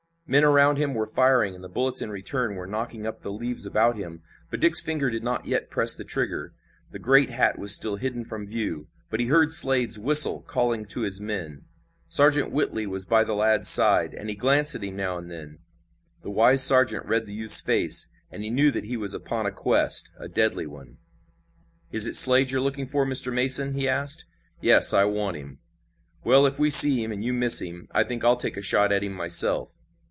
Men around him were firing, and the bullets in return were knocking up the leaves about him, but Dick's finger did not yet press the trigger. The great hat was still hidden from view, but he heard Slade's whistle calling to his men. Sergeant Whitley was by the lad's side, and he glanced at him now and then. The wise sergeant read the youth's face, and he knew that he was upon a quest, a deadly one. "Is it Slade you're looking for, Mr. Mason?" he asked. "Yes, I want him!" "Well, if we see him, and you miss him, I think I'll take a shot at him myself."